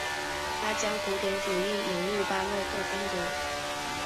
他将古典主义引入巴洛克风格。